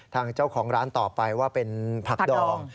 ทางเจ้าของร้านต่อไปว่าเป็นผักดอง